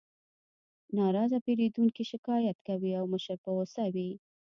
ناراضه پیرودونکي شکایت کوي او مشر په غوسه وي